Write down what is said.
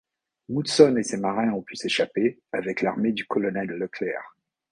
Moultson et ses marins ont pu s’échapper, avec l’armée du colonel Leclair.